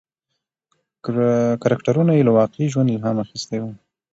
کرکټرونه یې له واقعي ژوند الهام اخیستی و.